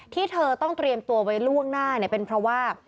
ที่เธอต้องเตรียมตัวไว้ล่วงหน้าเป็นเพราะว่า